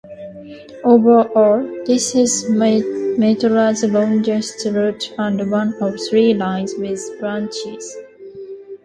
Overall, this is Metra's longest route and one of three lines with branches.